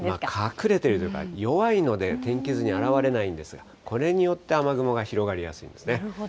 隠れてるというか、弱いので天気図に現れないんですが、これによって雨雲が広がりやすいんですね。